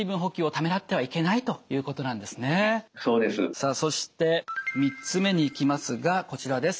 さあそして３つ目にいきますがこちらです。